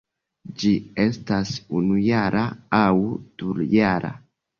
Ĝi estas unujara aŭ dujara.